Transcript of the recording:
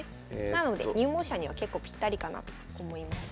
なので入門者には結構ピッタリかなと思います。